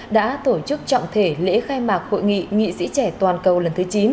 đã tổ chức trọng thể lễ khai mạc hội nghị nghị sĩ trẻ toàn cầu lần thứ chín